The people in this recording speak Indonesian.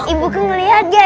ibuku ngeliat aja ya